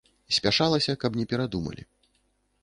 Спяшалася, каб не перадумалі.